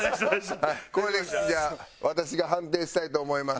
これでじゃあ私が判定したいと思います。